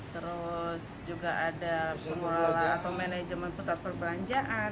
terus juga ada pengelola atau manajemen pusat perbelanjaan